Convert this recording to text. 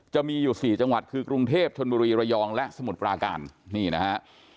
จะมีอยู่๔จังหวัดคือกรุงเทพชนบุรีระยองและสมุทรปราการนี่นะฮะ